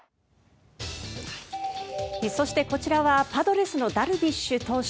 そしてこちらはパドレスのダルビッシュ投手。